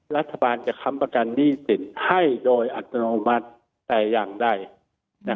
รัฐบาลจะค้ำประกันหนี้สินให้โดยอัตโนมัติแต่อย่างใด